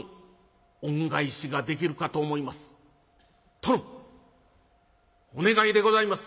殿お願いでございます。